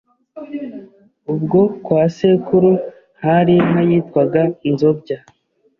Ubwo kwa sekuru hari inka yitwaga Nzobya,